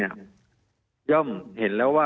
มีความรู้สึกว่ามีความรู้สึกว่า